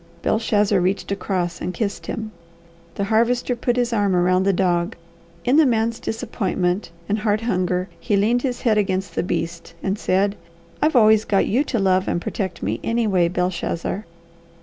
Belshazzar reached across and kissed him. The Harvester put his arm around the dog. In the man's disappointment and heart hunger he leaned his head against the beast and said, "I've always got you to love and protect me, anyway, Belshazzar.